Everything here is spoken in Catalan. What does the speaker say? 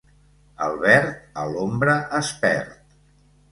El verd, a l'ombra es perd.